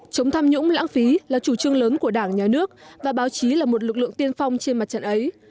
chống tham nhũng lãng phí là chủ trương lớn của đảng nhà nước và báo chí là một lực lượng tiên phong trên mặt trận ấy